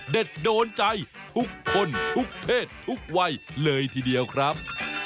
โดนใจทุกคนทุกเพศทุกวัยเลยทีเดียวครับ